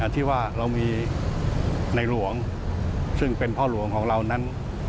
ที่ว่าเรามีในหลวงซึ่งเป็นพ่อหลวงของเรานั้น